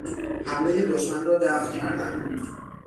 حملهی دشمن را دفع کردن